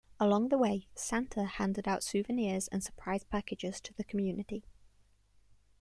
Along the way, Santa handed out souvenirs and surprise packages to the community.